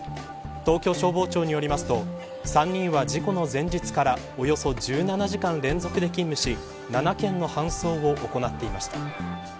東京消防庁によりますと３人は、事故の前日からおよそ１７時間連続で勤務し７件の搬送を行っていました。